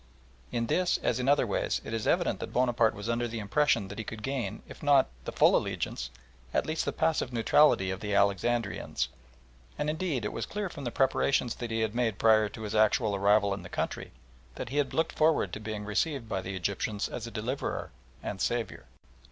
In this, as in other ways, it is evident that Bonaparte was under the impression that he could gain, if not the full allegiance, at least the passive neutrality of the Alexandrians, and, indeed, it was clear from the preparations that he had made prior to his actual arrival in the country, that he had looked forward to being received by the Egyptians as a deliverer and saviour.